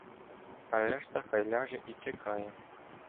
А решта хай ляже і чекає.